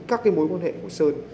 các cái mối quan hệ của sơn